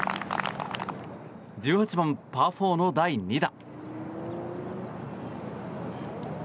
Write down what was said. １８番、パー４の第２打。